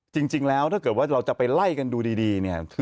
จริงแล้วถ้าเกิดว่าเราจะไปไล่กันดูดีเนี่ย